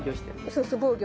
そうそう防御。